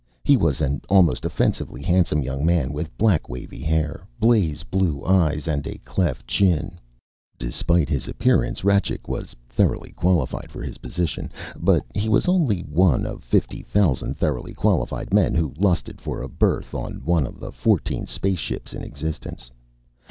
He was an almost offensively handsome young man with black wavy hair, blasé blue eyes and a cleft chin. Despite his appearance, Rajcik was thoroughly qualified for his position. But he was only one of fifty thousand thoroughly qualified men who lusted for a berth on one of the fourteen spaceships in existence.